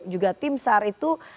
juga tim saat itu